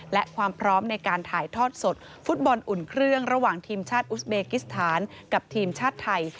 และความพร้อมในการถ่ายทอดสดฟุตบอลอุ่นเครื่องระหว่างทีมชาติอุสเบกิสถานกับทีมชาติไทย